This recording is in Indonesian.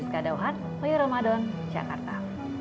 rizka dawat woye ramadan jakarta